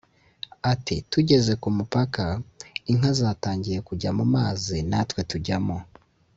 Ati “Tugeze ku mupaka inka zatangiye kujya mu mazi natwe tujyamo